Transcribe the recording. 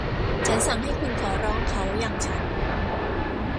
ฉันสั่งให้คุณขอร้องเขาอย่างฉัน